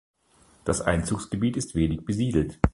Das Einzugsgebiet ist wenig besiedelt.